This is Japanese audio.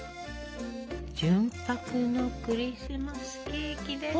純白のクリスマスケーキです。